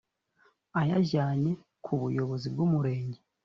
ayajyanye ku buyobozi bw’umurenge